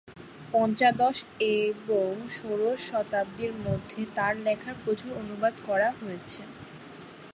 পঞ্চদশ এবং ষোড়শ শতাব্দির মধ্যে তার লেখার প্রচুর অনুবাদ করা হয়েছে।